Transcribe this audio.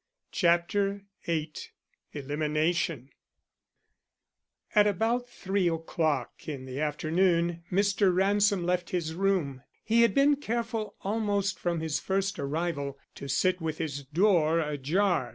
CHAPTER VIII ELIMINATION At about three o'clock in the afternoon Mr. Ransom left his room. He had been careful almost from his first arrival to sit with his door ajar.